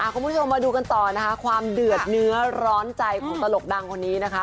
คุณผู้ชมมาดูกันต่อนะคะความเดือดเนื้อร้อนใจของตลกดังคนนี้นะคะ